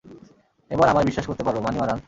এবার আমায় বিশ্বাস করতে পারো, মানিমারান।